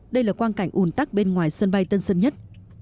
đây là quan cảnh ủn tắc bên ngoài sân bay tân sơn nhất